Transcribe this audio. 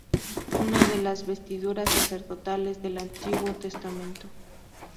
Una de las vestiduras sacerdotales del Antiguo Testamento.